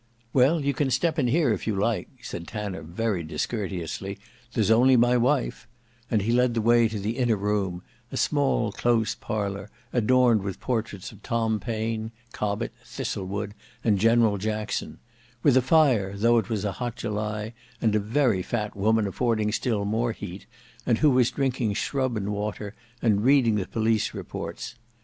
"Well, you can step in here if you like," said Tanner very discourteously; "there's only my wife:" and he led the way to the inner room, a small close parlour adorned with portraits of Tom Paine, Cobbett, Thistlewood, and General Jackson; with a fire, though it was a hot July, and a very fat woman affording still more heat, and who was drinking shrub and water and reading the police reports.